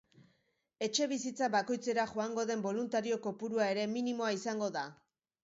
Etxebizitza bakoitzera joango den boluntario kopurua ere minimoa izango da.